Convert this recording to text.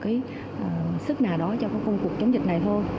cái sức nào đó cho cái công cuộc chống dịch này thôi